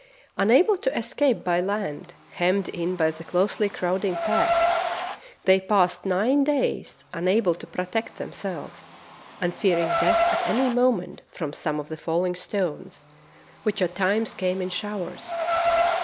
Unable to escape by land, hemmed in by the closely crowding pack, they passed nine days unable to protect themselves, and fearing death at any moment from some of the falling stones, which at times came in showers.